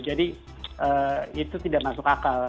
jadi itu tidak masuk akal